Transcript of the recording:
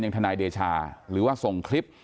ทนายเดชาหรือว่าส่งคลิป